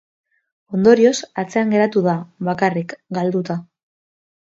Ondorioz, atzean geratu da, bakarrik, galduta.